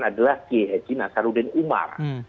adalah kiai haji nasaruddin umar